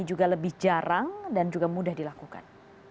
juga lebih jarang dan juga mudah dilakukan